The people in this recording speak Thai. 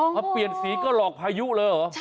พอเปลี่ยนสีก็หลอกพายุเลยเหรอ